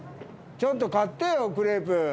ちょっと買ってよクレープ。